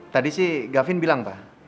tadi sih gavin bilang pak